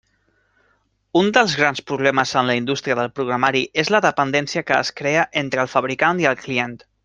Un dels grans problemes en la indústria del programari és la dependència que es crea entre el fabricant i el client.